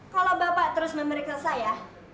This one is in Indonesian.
kalau bapak terus memeriksa saya